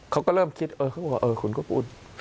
เขาก็เริ่มคิดเออคุณครบอุ่น